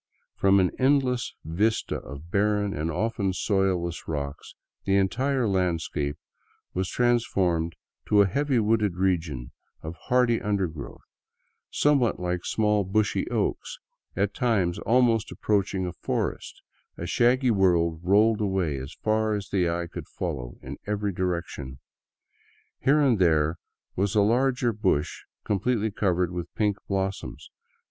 Front an endless vista of barren and often soilless rocks, the entire landscape was trans formed to a heavily wooded region of hardy titidergrowth, somewhat like small, bushy oaks, at times almost approaching a forest, a shaggy world rolling away as far as the eye could follow in every direction. Here and there was a larger bush completely^'covered with pink blos soms.